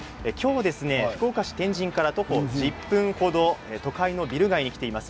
福岡市天神から徒歩１０分程の都会のビル街に来ています。